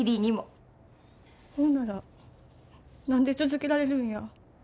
ほんなら何で続けられるんや？